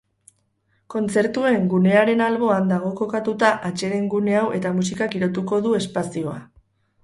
Kontzertuen gunearen alboan dago kokatuta atseden gune hau eta musikak girotuko du espazioa.